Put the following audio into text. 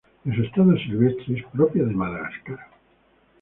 En su estado silvestre, es propia de Madagascar.